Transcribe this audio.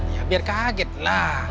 ya biar kaget lah